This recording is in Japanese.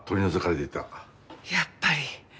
やっぱり。